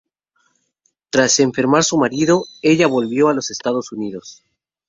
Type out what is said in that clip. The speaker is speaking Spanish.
Tras enfermar su marido, ella volvió a los Estados Unidos.